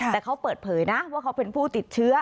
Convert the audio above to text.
แต่เขาเปิดเผยนะว่าเขาเป็นผู้ติดเชื้อ